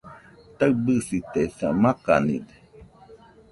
Taɨbɨsitesa , makanide